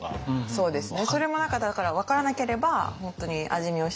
そうですね。